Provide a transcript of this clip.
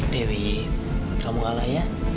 dewi kamu kalah ya